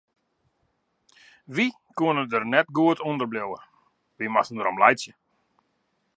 Wy koene der net goed ûnder bliuwe, wy moasten laitsje.